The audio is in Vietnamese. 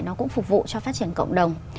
nó cũng phục vụ cho phát triển cộng đồng